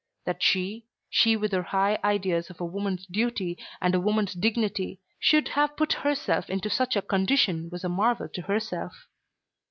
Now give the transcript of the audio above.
That she, she with her high ideas of a woman's duty and a woman's dignity, should have put herself into such a condition was a marvel to herself.